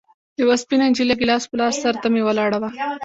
يوه سپينه نجلۍ ګيلاس په لاس سر ته مې ولاړه وه.